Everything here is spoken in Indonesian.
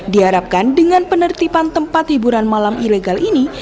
diharapkan dengan penertiban tempat hiburan malam ilegal ini